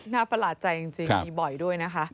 ประหลาดใจจริงมีบ่อยด้วยนะคะ